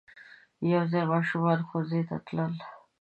یو ځای ماشومان ښوونځی ته تلل.